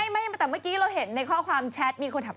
ไม่แต่เมื่อกี้เราเห็นในข้อความแชทมีคนถาม